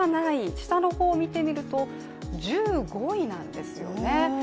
下の方を見てみると１５位なんですよね。